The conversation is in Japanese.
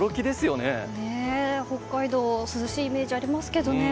涼しいイメージがありますけどね。